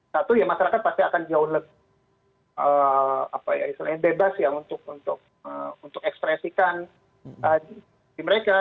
satu ya masyarakat pasti akan jauh lebih bebas ya untuk ekspresikan diri mereka